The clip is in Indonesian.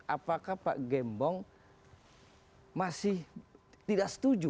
apakah pak gembong masih tidak setuju